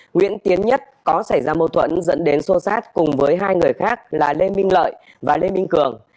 nguyễn tiến nhất có xảy ra mâu thuẫn dẫn đến xô xát cùng với hai người khác là lê minh lợi và lê minh cường